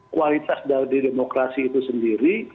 kualitas dari demokrasi itu sendiri